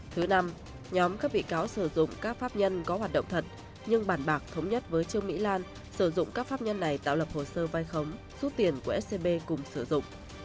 thứ năm nhóm các bị cáo sử dụng các pháp nhân có hoạt động thật nhưng bản bạc thống nhất với trương mỹ lan sử dụng các pháp nhân này tạo lập hồ sơ vai khống rút tiền của scb cùng sử dụng